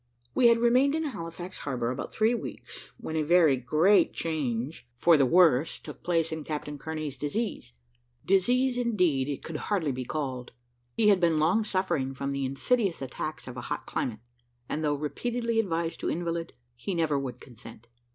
We had remained in Halifax harbour about three weeks, when a very great change for the worse took place in Captain Kearney's disease. Disease, indeed, it could hardly be called. He had been long suffering from the insidious attacks of a hot climate, and though repeatedly advised to invalid, he never would consent.